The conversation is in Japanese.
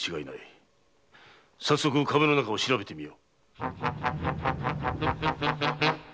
早速壁の中を調べてみよ。